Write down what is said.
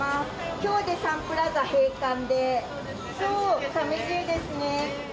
きょうでサンプラザ閉館で、さみしいですね。